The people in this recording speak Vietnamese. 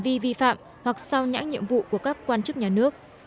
vì vi phạm hoặc sau nhãn nhiệm vụ của các quan chức nhà nước